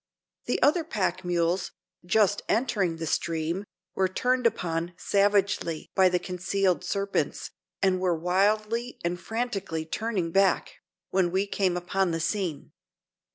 The other pack mules, just entering the stream, were turned upon savagely by the concealed serpents, and were wildly and frantically turning back, when we came upon the scene.